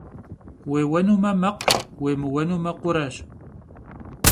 Vuêueme – mekhuş, vuêmıueme, khureş.